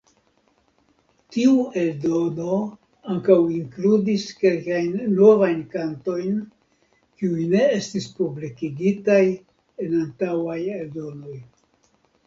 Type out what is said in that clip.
Tiu eldono ankaŭ inkludis kelkajn novajn kantojn kiuj ne estis publikigitaj en antaŭaj eldonoj.